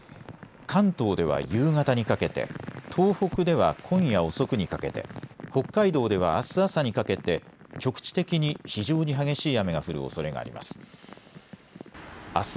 関東では夕方にかけて、東北では今夜遅くにかけて、北海道ではあす朝にかけて局地的に非常に激しい雨が降るおそれがあります。